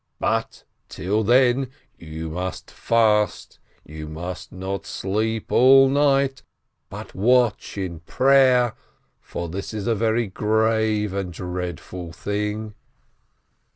But till then you must fast, and you must not sleep all night, but watch in prayer, for this is a very grave and dreadful thing."